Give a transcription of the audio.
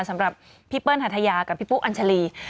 สำหรับพี่เปิ้ลหัทยากับพี่ปุ๊อัญชาลี